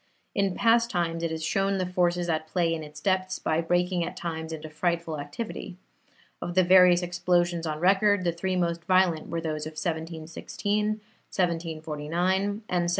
In past times it has shown the forces at play in its depths by breaking at times into frightful activity. Of the various explosions on record, the three most violent were those of 1716, 1749, and 1754.